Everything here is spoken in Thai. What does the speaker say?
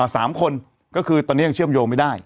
สามคนก็คือตอนนี้ยังเชื่อมโยงไม่ได้